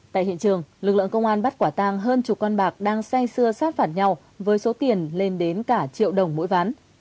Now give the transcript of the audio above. tại hiện trường lực lượng công an bắt quả tang hơn chục con bạc đang say xưa sát phạt nhau với số tiền lên đến cả triệu đồng mỗi ván